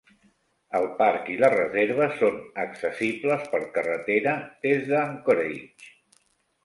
El parc i la reserva són accessibles per carretera des d'Anchorage.